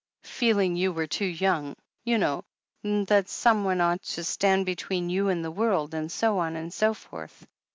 Feeling you were too young, you know, and that someone ought to stand between you and the world, and so on and so forth.